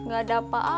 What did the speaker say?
gak ada apa apa